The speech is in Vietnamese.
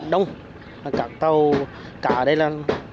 đông cả tàu cá ở đây là